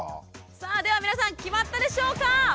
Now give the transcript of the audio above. さあでは皆さん決まったでしょうか？